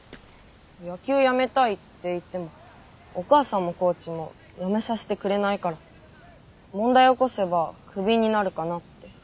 野球やめたいって言ってもお母さんもコーチもやめさせてくれないから問題を起こせばクビになるかなって。